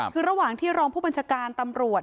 คือระหว่างที่รองผู้บัญชาการตำรวจ